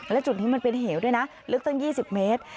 และจุดนี้มันเป็นเหวด้วยนะลึกตั้ง๒๐เมตร